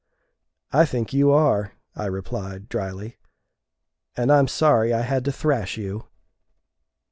"I think you are," I replied, drily, "and I'm sorry I had to thrash you."